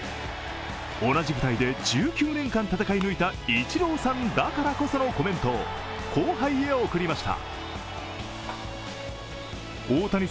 同じ舞台で１９年間戦い抜いたイチローさんだからこそのコメントを、後輩へ送りました。